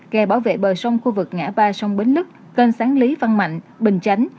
kè bảo vệ bờ sông khu vực ngã ba sông bến lức kênh sáng lý văn mạnh bình chánh